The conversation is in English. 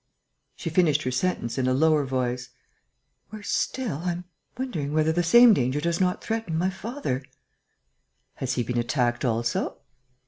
She finished her sentence in a lower voice: "Worse still, I am wondering whether the same danger does not threaten my father." "Has he been attacked also?"